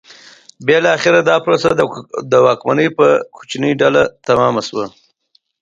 بالاخره دا پروسه د واکمنې کوچنۍ ډلې تمامه شوه.